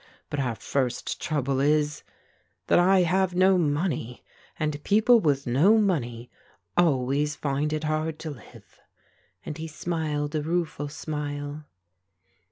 But our first trouble is, that I have no money and people with no money always find it hard to live," and he smiled a rueful smile.